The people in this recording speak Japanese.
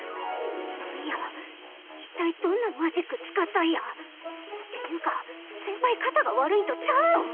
なんや一体どんなマジック使ったんや⁉てゆーか先輩肩が悪いんとちゃうん⁉